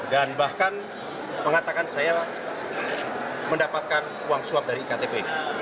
dan bahkan mengatakan saya mendapatkan uang suap dari iktp